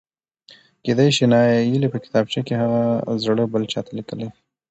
کېدای شي نايلې په کتابچه کې هغه زړه بل چاته لیکلی و.؟؟